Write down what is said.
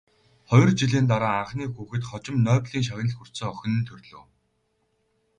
Хоёр жилийн дараа анхны хүүхэд, хожим Нобелийн шагнал хүртсэн охин нь төрлөө.